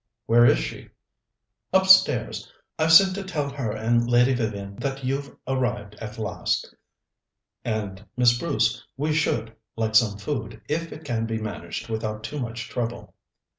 "Where is she?" "Upstairs. I've sent to tell her and Lady Vivian that you've arrived at last." "And, Miss Bruce, we should like some food if it can be managed without too much trouble."